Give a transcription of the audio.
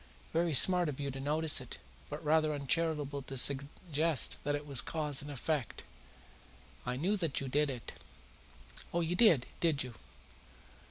Very smart of you to notice it, but rather uncharitable to suggest that it was cause and effect." "I knew that you did it." "Oh, you did, did you?